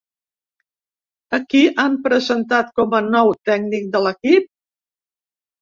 A qui han presentat com a nou tècnic de l'equip?